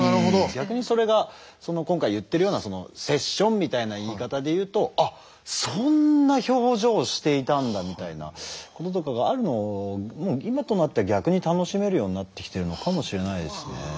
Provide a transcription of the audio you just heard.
逆にそれが今回言ってるようなセッションみたいな言い方で言うと「あっそんな表情をしていたんだ」みたいなこととかがあるのも今となっては逆に楽しめるようになってきてるのかもしれないですね。